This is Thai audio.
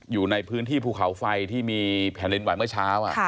อยู่ในพื้นที่ภูเขาไฟที่มีแผ่นดินไหวเมื่อเช้า